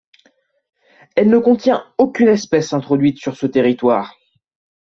Elle ne contient aucune espèce introduite sur ce territoire.